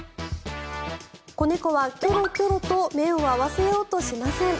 子猫はキョロキョロと目を合わせようとしません。